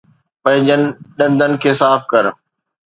پنھنجن ڏندن کي صاف ڪر